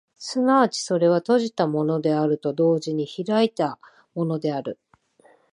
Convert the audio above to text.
即ちそれは閉じたものであると同時に開いたものである。